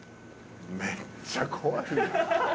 めっちゃ怖い。